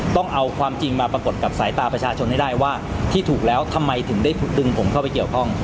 ต้องเอาความจริงมาปรากฏกับสายตาประชาชนให้ได้ว่าที่ถูกแล้วทำไมถึงได้ดึงผมเข้าไปเกี่ยวข้อง